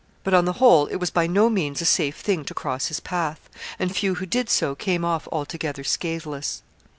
But on the whole it was by no means a safe thing to cross his path; and few who did so came off altogether scathless.